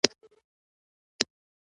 ملګری هغه څوک دی چې ته پرې تکیه کولی شې.